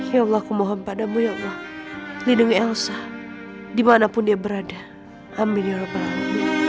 ya allah kumohon padamu ya allah lindungi elsa dimanapun dia berada amin ya rabbul alamin